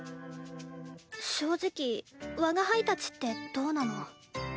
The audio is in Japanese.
正直我が輩たちってどうなの？